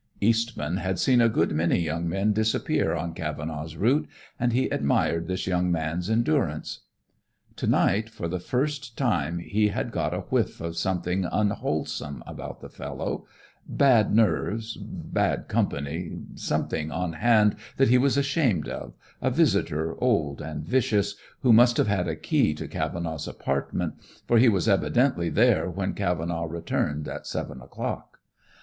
Eastman had seen a good many young men disappear on Cavenaugh's route, and he admired this young man's endurance. To night, for the first time, he had got a whiff of something unwholesome about the fellow bad nerves, bad company, something on hand that he was ashamed of, a visitor old and vicious, who must have had a key to Cavenaugh's apartment, for he was evidently there when Cavenaugh returned at seven o'clock.